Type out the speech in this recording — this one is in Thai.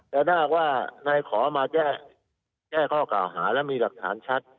แต่ถ้าหากว่านายขอมาแก้ข้อกล่าวหาแล้วมีหลักฐานชัด